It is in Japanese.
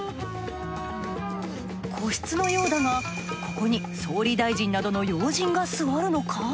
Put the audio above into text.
個室のようだがここに総理大臣などの要人が座るのか？